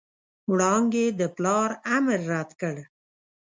وړانګې د پلار امر رد کړ.